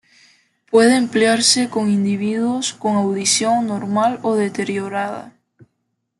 Puede emplearse con individuos con audición normal o deteriorada.